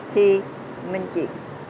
thì mình chỉ